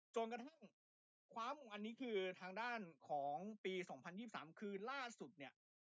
จนกระทั่งคว้ามงอันนี้คือทางด้านของปี๒๐๒๓คือล่าสุดเนี่ย